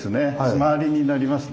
周りになりますね。